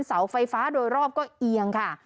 เสาไฟฟ้าโดยรอบก็เอียงค่ะ